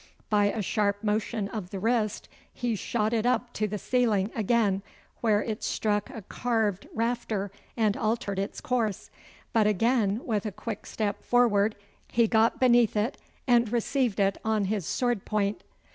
By a sharp motion of the wrist he shot it up to the ceiling again, where it struck a carved rafter and altered its course; but again, with a quick step forward, he got beneath it and received it on his sword point.